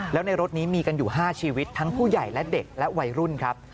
แล้วในรถนี้มีกันอยู่๕ชีวิตทั้งผู้ใหญ่และเด็กและวัยรุ่นครับ